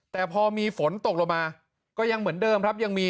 แต่พอมีฝนตกลงมาก็ยังเหมือนเดิมครับยังมี